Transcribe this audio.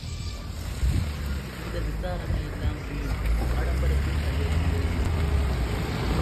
இந்த விசாரனையெல்லாம் வீண் ஆடம்பரத்தைத் தவிர வேறில்லை.